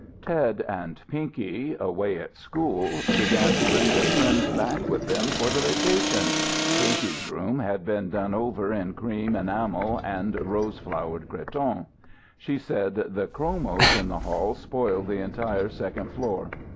Ted and Pinky, away at school, began to bring their friends back with them for the vacations Pinky's room had been done over in cream enamel and rose flowered cretonne. She said the chromos in the hall spoiled the entire second floor.